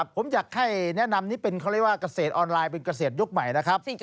ผมอยากให้แนะนำนี้เป็นเขาเรียกว่าเกษตรออนไลน์เป็นเกษตรยุคใหม่นะครับ